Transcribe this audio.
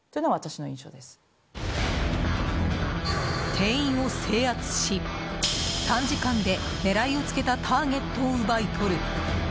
店員を制圧し、短時間で狙いをつけたターゲットを奪い取る。